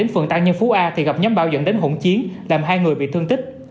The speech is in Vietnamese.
phú a thì gặp nhóm bảo dẫn đến hỗn chiến làm hai người bị thương tích